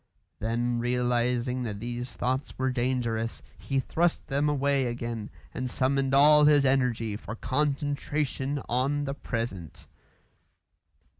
Then realising that these thoughts were dangerous, he thrust them away again and summoned all his energy for concentration on the present.